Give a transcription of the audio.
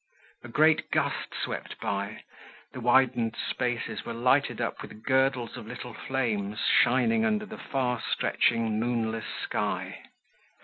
A great gust swept by; the widened spaces were lighted up with girdles of little flames, shining under the far stretching moonless sky.